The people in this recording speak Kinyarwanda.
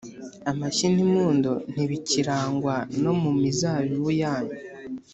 amashyi n’impundu ntibikirangwa no mu mizabibu yanyu.